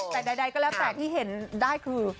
แต่ใดก็แล้วแต่ที่เห็นได้คือ